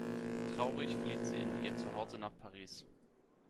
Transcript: Traurig flieht sie in ihr Zuhause nach Paris.